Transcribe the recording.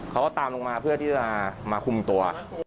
เขาก็ตามลงมาเพื่อที่จะมาคุมตัว